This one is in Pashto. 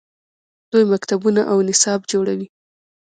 دوی مکتبونه او نصاب جوړوي.